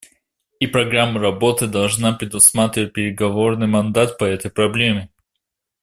И программа работы должна предусматривать переговорный мандат по этой проблеме.